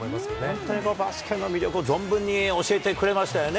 本当にバスケの魅力を存分に教えてくれましたよね。